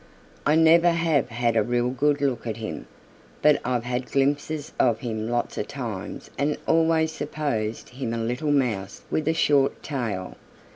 "I never have had a real good look at him, but I've had glimpses of him lots of times and always supposed him a little Mouse with a short tail.